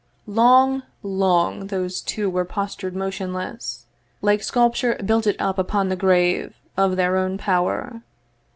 Long, long those two were postured motionless, Like sculpture builded up upon the grave Of their own power.